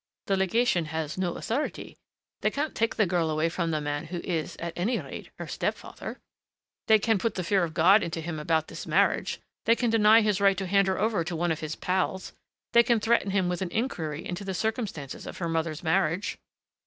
"The legation has no authority. They can't take the girl away from the man who is, at any rate, her step father." "They can put the fear of God into him about this marriage. They can deny his right to hand her over to one of his pals. They can threaten him with an inquiry into the circumstances of her mother's marriage."